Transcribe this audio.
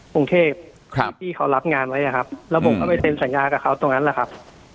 กรุงเทพที่เขารับงานไว้อะครับแล้วผมก็ไปเซ็นสัญญากับเขาตรงนั้นแหละครับ